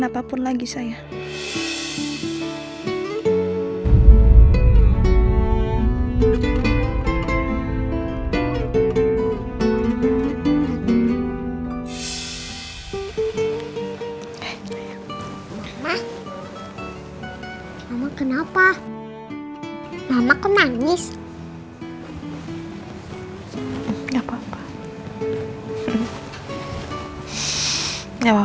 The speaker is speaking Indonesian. omo boleh ikut gak